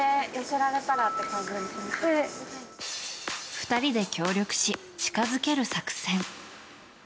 ２人で協力し、近づける作戦。